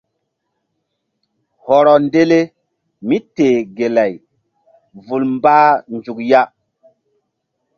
Hɔrɔ ndele míteh gelay vul mbah nzuk ya.